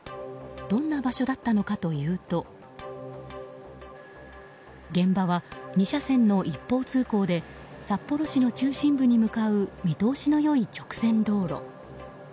どんな場所だったのかというと現場は２車線の一方通行で札幌市の中心部に向かう見通しの良い直線道路。